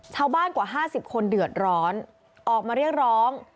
ชาวบ้านกว่าห้าสิบคนเดือดร้อนออกมาเรียกร้อง